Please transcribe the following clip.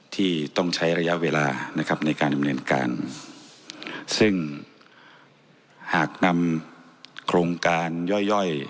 ที่ต้องใช้ระยะเวลานะครับในการดำเนินการซึ่งหากนำโครงการย่อยย่อย